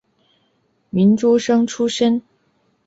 明诸生出身。